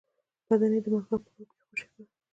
بدن یې د مرغاب په رود کې خوشی کړ.